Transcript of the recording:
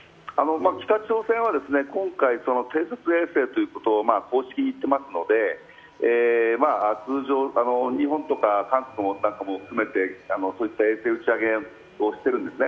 北朝鮮は今回、偵察衛星ということを公式に言っていますので通常、日本とか韓国なんかも含めてそういった偵星打ち上げをしているんですね。